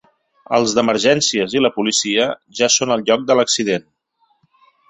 Els d’emergències i la policia ja són al lloc de l’accident.